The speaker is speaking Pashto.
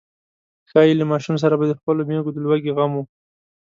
ښايي له ماشوم سره به د خپلو مېږو د لوږې غم و.